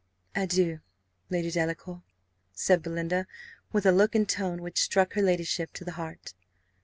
_" "Adieu, Lady Delacour!" said Belinda, with a look and tone which struck her ladyship to the heart.